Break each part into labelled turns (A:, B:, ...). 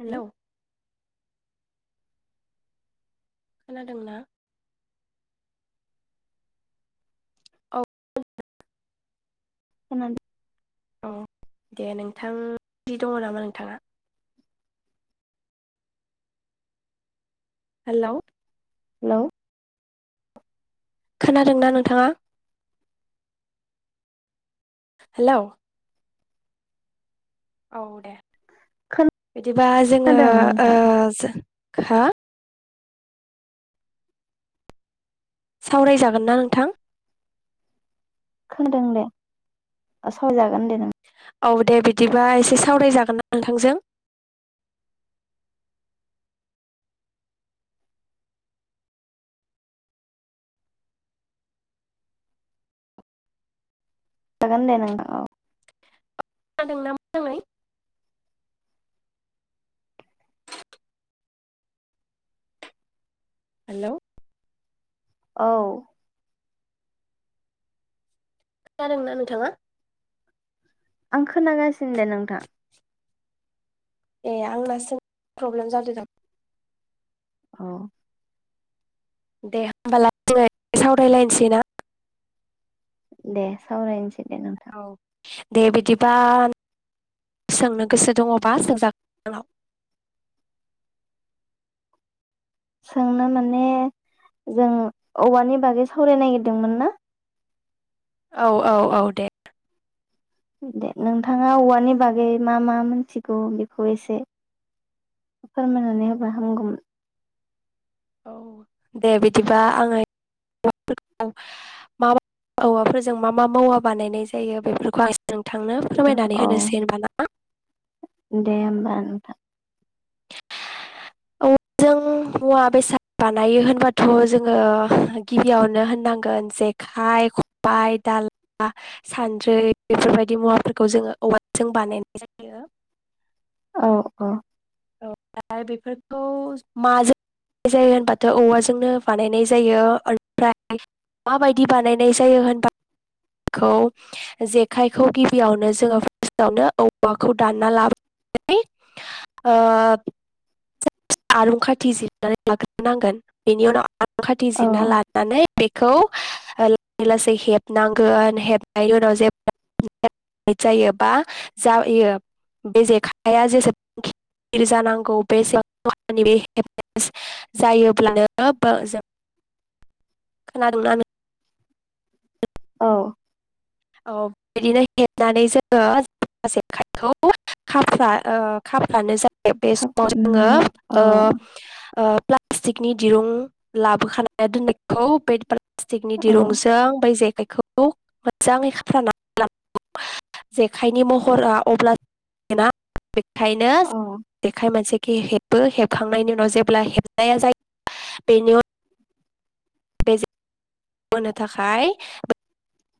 A: हेल'
B: hello खोनादोंना? औ
A: खोना
B: औ दे नोंथां [inaudible] दङ नामा नोंथाङा? हेलौ
A: हेल'
B: खोनादोंना नोंथाङा? हेलौ औ दे बिदिबा जोङो
A: खोनादों
B: ओ
A: नोंथां
B: हा? सावरायजागोन ना नोंथां?
A: खोनादों दे सावरायजा [unintelligible]
B: औ दे बिदिबा एसे सावरायजागोन ना नोंथांजों
A: जागोन दे नोंथां
B: खोनादों ना मोजाङै? हेलौ
A: औ
B: खोनादोंना नोंथाङा?
A: आं खोनागासिनो दे नोंथां
B: ए आंना सों प्रब्लेम जादों दां
A: औ
B: दे होमबालाय जोङो सावरायलायसै ना [inaudible]
A: दे सावरायनोस
B: औ दे बिदिबा सोंनो गोसो दङोबा सोंजागोन आंनाव
A: सोंनो माने जों औवानि बागै सावराय नागिरदोंमोन ना
B: औ औ औ दे
A: दे नोंथाङा औवानि बागै मा मा मोनथिगौ बेखौ एसे फोरमायनानै होबा हामगौमोन
B: औ दे बिदिबा आङो [unintelligible] औवाफोरजों मा मा मुवा बानायनाय जायो बेफोरखौ आं एसे नोंथांनो
A: बेफोरखौ
B: फोरमायनानै होनोसै
A: औ
B: होनबा ना।
A: दे होमबा नोंथां
B: औवाजों मुवा बेसाद बानायो होनबाथ जोङो गिबियावनो होननांगोन जेखाइ खबाय दाला सानद्रि बेफोरबायदि मुवाफोरखौ जोङो औवाजों बानायनाय जायो।
A: औ औ
B: ओमफ्राय बेफोरखौ माजों [unintelligible] बानाय जायो होनबाथ औवाजोंनो बानायनाय जायो ओमफ्राय माबायदि बानायनाय जायो होनबा [unintelligible] जेखाइखौ गिबियावनो जोङो फार्स्टआवनो औवाखौ दानना लाबोनानै ओ [unintelligible] खाथिजिरनानै लाग्रोनांगोन बेनि उनाव [unintelligible] खाथि
A: औ
B: जिरना लानानै बेखौ लासै लासै हेबनांगोन हेबनायनि उनाव [unintelligible] बा जायो बे जेखाइया जेसेबां [unintelligible] जानांगौ बे [unintelligible] जायोब्लानो जों खोनादों [unintelligible]
A: औ
B: औ बिदिनो हेबनानै जोङो जेखाइखौ खा ओ खाफ्रानो
A: खाफ्रानानै औ
B: [unintelligible] प्लाटिकनि दिरुं लाबोखाना दोननायखौ बे प्लास्टिकनि
A: औ
B: दिरुंजों बै जेखाय खौ मोजाङै जेखाइनि महरा अब्ला बेखायनो
A: औ
B: जेखाइ मोनसेखो हेबो हेबखांनायनि उनाव जेब्ला हेबनाया जायो बेनि उनाव बे होनो थाखाय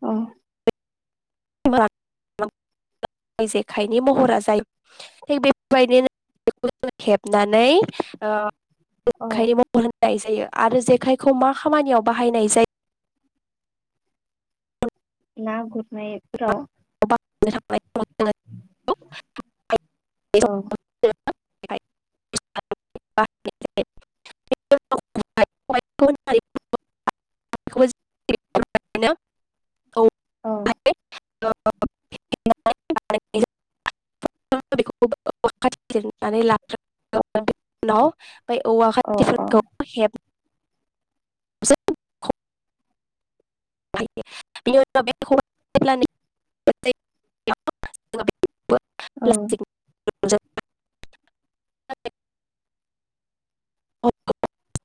A: औ
B: जेखाइनि महरा जायो थिग बेफोरबायदिनो नानै ओ
A: औ
B: जेखायनि महर होनाय जायो। जायो आरो जेखायखौ मा खामानियाव बाहायनाय जायो?
A: ना गुरनाय फोर राव
B: [unintelligible]
A: औ
B: थांनाय [unintelligible] [unintelligible]
A: औ
B: [unintelligible] औवा
A: औ औ
B: खान्थिफोरखौ हेब [unintelligible] [unintelligible]
A: औ
B: [unintelligible] [unintelligible]